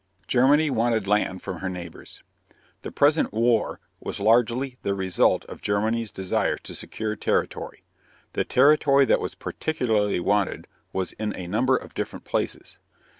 GERMANY WANTED LAND FROM HER NEIGHBORS. The present war was largely the result of Germany's desire to secure territory. The territory that was particularly wanted was in a number of different places.